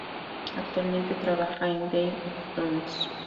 Actualmente trabaja en "Game of Thrones".